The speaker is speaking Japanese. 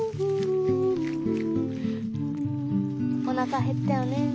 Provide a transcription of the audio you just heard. おなかへったよね。